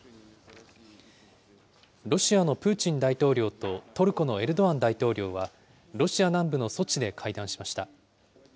ロシアのプーチン大統領とトルコのエルドアン大統領はロシア南部のソチで会談しました。